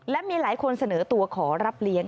และมีหลายคนเสนอตัวขอรับเลี้ยง